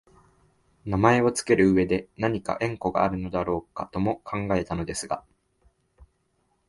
名前をつける上でなにか縁故があるのだろうかとも考えたのですが、